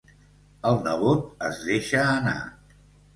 El nebot es deixa anar.